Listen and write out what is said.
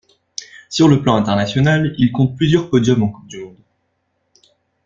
Sur le plan international, il compte plusieurs podiums en coupe du monde.